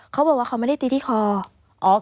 เขาบอกว่าเขาไม่ได้ตีที่คอ